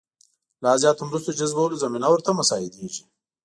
لا زیاتو مرستو جذبولو زمینه ورته مساعدېږي.